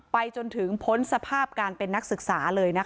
ไปจนถึงพ้นสภาพการเป็นนักศึกษาเลยนะคะ